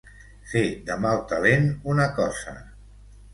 Fer de mal talent una cosa.